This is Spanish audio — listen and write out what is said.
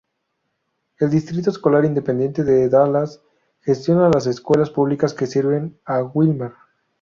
El Distrito Escolar Independiente de Dallas gestiona las escuelas públicas que sirven a Wilmer.